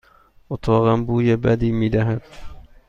اتاقم بوی بدی می دهد.